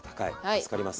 助かります。